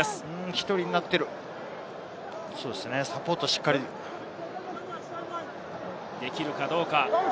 １人になっている、サポート、しっかりできるかどうか。